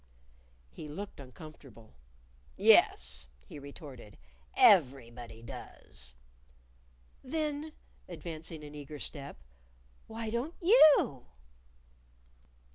He looked uncomfortable. "Yes," he retorted, "_every_body does." "Then," advancing an eager step "why don't _you?